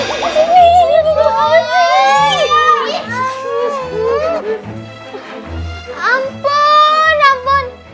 ampun ampun ampun